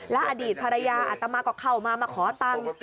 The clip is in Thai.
และอดีตภรรยาอัตมาก็เข้ามามาขอตังค์